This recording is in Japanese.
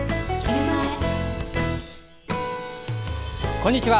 こんにちは。